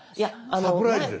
サプライズです。